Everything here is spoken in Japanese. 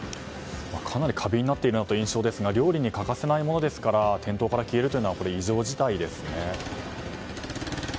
かなり過敏になっているという印象ですが料理に欠かせないものですから店頭から消えるというのは異常事態ですね。